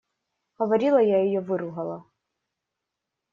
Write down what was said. Говорила, я ее выругала.